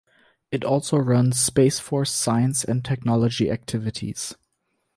It also runs Space Force science and technology activities.